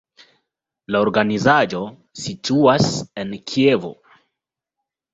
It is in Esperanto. La organizaĵo situas en Kievo.